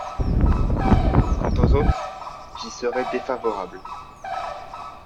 Quant aux autres, j’y serais défavorable.